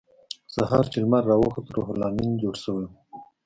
سهار چې لمر راوخوت روح لامین جوړ شوی و